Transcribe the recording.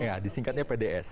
ya disingkatnya pds